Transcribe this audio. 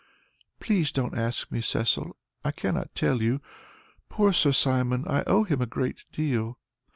"Please don't ask me, Cecil, I cannot tell you. Poor Sir Simon! I owe him a great deal.